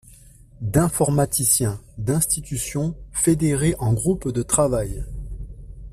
d'informaticiens, d'institutions, fédérés en groupes de travail.